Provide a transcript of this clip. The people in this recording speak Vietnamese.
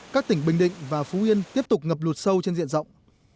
các tỉnh bình định và phú yên tiếp tục ngập lụt sâu trên diện rộng